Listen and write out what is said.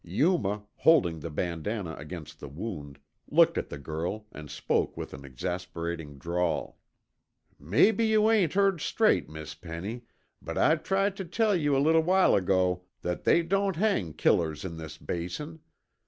Yuma, holding the bandanna against the wound, looked at the girl and spoke with an exasperating drawl. "Maybe you ain't heard straight, Miss Penny, but I tried tuh tell you a little while ago that they don't hang killers in this Basin.